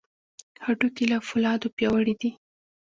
هډوکي له فولادو پیاوړي دي.